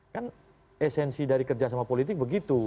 kan esensi dari kerja sama politik begitu